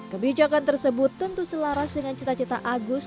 kebijakan tersebut tentu selaras dengan cita cita agus